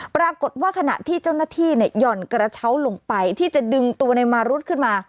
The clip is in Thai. ปรากฏว่าขณะที่เจ้าหน้าที่หย่อนกระเช้าลงไปที่จะดึงตัวในมารุธขึ้นมา